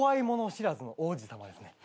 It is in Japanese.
知らずの王子さまですね。